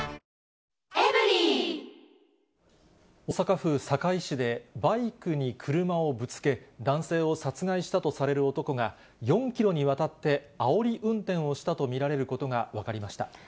大阪府堺市で、バイクに車をぶつけ、男性を殺害したとされる男が、４キロにわたって、あおり運転をしたと見られることが分かりました。